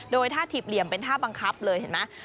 โดยท่าถีบเหลี่ยมเป็นท่าบังคับเลยเห็นไหม